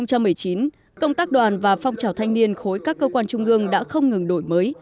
năm hai nghìn một mươi chín công tác đoàn và phong trào thanh niên khối các cơ quan trung ương đã không ngừng đổi mới